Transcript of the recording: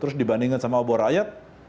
terus dibandingkan sama obor rakyat